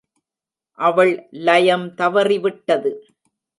அவள் லயம் தவறிவிட்டது.